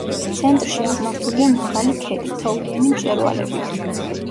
ცენტრში აღმართულია მაღალი ქედი, თოვლიანი მწვერვალებით.